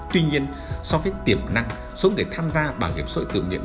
tuy nhiên so với tiềm năng số người tham gia bảo hiểm xã hội tự nguyện